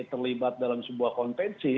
terlibat dalam sebuah konvensi